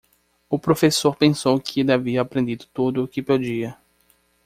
O professor pensou que ele havia aprendido tudo o que podia.